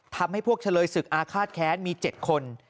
ทำให้พวกเฉลยศึกอาฆาตแค้นมี๗คน